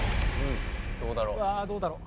どうだろう？